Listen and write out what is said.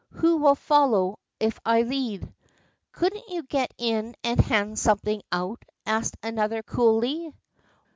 Who will follow if I lead?" "Couldn't you get in and hand something out?" asked another, coolly.